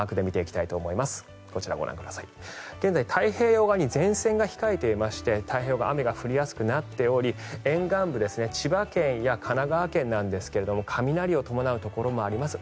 現在、太平洋側に前線が控えていまして太平洋側雨が降りやすくなっていて沿岸部、千葉県や神奈川県など雷を伴うところもあります。